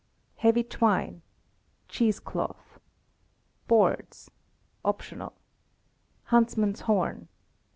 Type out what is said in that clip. Heavy twine. Cheese cloth. Boards (?). Huntsman's horn